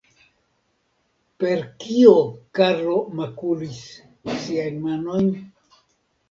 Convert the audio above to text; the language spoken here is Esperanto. Per kio Karlo makulis siajn manojn?